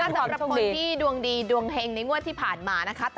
สำหรับคนที่ดวงดีดวงเฮงในงวดที่ผ่านมานะคะ